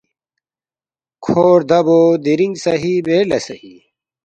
کھو ردَبو دیرِنگ صحیح بیر لہ صحیح